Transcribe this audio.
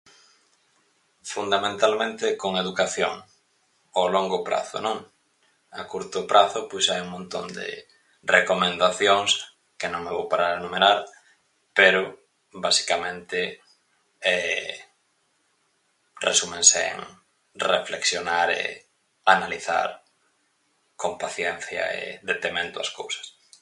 Fundamentalmente con educación o longo prazo, non? A curto prazo pois hai un montón de recomendacións, que non me vou parar a enumerar, pero, basicamente, resúmense en reflexionar e analizar con paciencia e detemento as cousas.